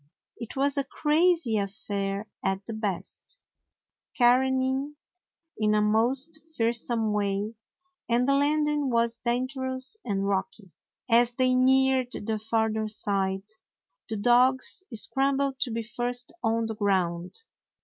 It was a crazy affair at the best, careening' in a most fearsome way, and the landing was dangerous and rocky. As they neared the farther side the dogs scrambled to be first on the ground.